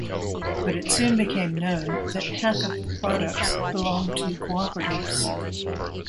But it soon became known that half of the products belong to cooperatives.